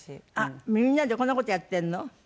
あっみんなでこんな事やってるの？